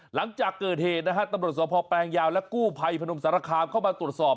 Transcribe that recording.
หลังจากเกิดเหตุนะฮะตำรวจสพแปลงยาวและกู้ภัยพนมสารคามเข้ามาตรวจสอบ